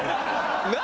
何？